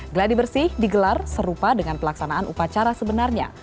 geladi bersih digelar serupa dengan pelaksanaan upacara sebenarnya